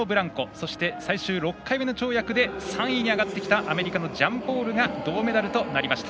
そして最終６回目の跳躍で３位に上がってきたアメリカのジャンポールが銅メダルとなりました。